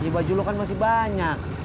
ini baju lo kan masih banyak